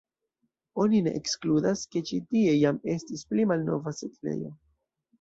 Oni ne ekskludas, ke ĉi tie jam estis pli malnova setlejo.